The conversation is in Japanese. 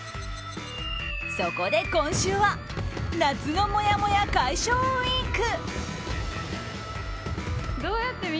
そこで今週は夏のもやもや解消ウィーク！